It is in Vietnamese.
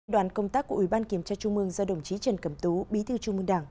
đoàn công tác của ủy ban kiểm tra trung mương do đồng chí trần cẩm tú bí thư trung mương đảng